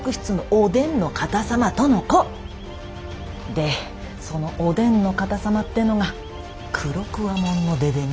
でそのお伝の方様ってのが黒鍬もんの出でね。